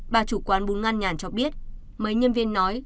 bà chủ quán bún ngăn nhàn cho biết mấy nhân viên nói